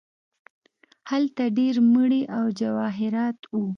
هلته ډیر مړي او جواهرات وو.